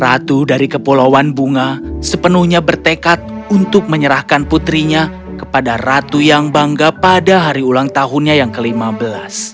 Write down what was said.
ratu dari kepulauan bunga sepenuhnya bertekad untuk menyerahkan putrinya kepada ratu yang bangga pada hari ulang tahunnya yang ke lima belas